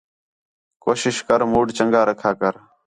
کوشش کر مُوڈ چَنڳا رکھا کر